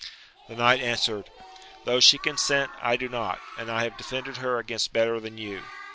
The knight answered, Though AMADIS OF OAUL, 243 she consent, I do not ; and I have 'defended her against better than you.